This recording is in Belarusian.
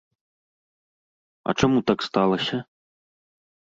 А чаму так сталася?